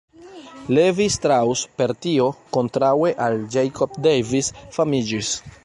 Levi Strauss per tio, kontraŭe al Jacob Davis, famiĝis.